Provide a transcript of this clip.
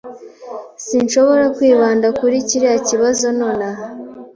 Sinshobora kwibanda kuri kiriya kibazo nonaha.